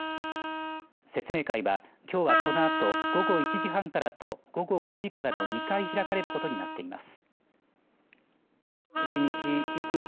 説明会は、きょうはこのあと午後１時半からと午後５時からの２回開かれることになっています。